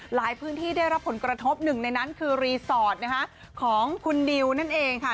พื้นที่ได้รับผลกระทบหนึ่งในนั้นคือรีสอร์ทนะคะของคุณดิวนั่นเองค่ะ